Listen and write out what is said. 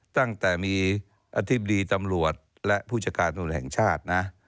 ตั้งแต่มีอธิบดีตำรวจและผู้จัดการตำรวจแห่งชาตินะ